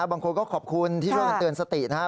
บางคนก็ขอบคุณที่เตือนสตินะฮะ